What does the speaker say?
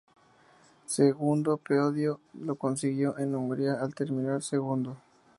Su segundo podio lo consiguió en Hungría al terminar segundo.